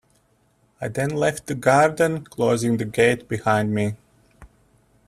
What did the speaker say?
I then left the garden, closing the gate behind me.